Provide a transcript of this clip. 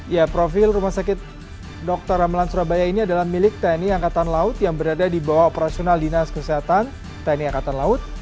ya profil rumah sakit dr ramelan surabaya ini adalah milik tni angkatan laut yang berada di bawah operasional dinas kesehatan tni angkatan laut